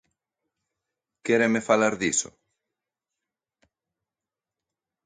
¿Quéreme falar diso?